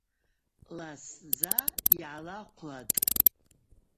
Ласдза йгӏалахъвлатӏ.